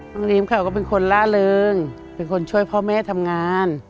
น้องรีมเขาก็เป็นคนล่าเริงเป็นคนช่วยพ่อแม่ทำงาน